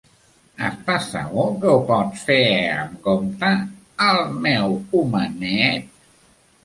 Estàs segur que ho pots fer amb compte, el meu homenet?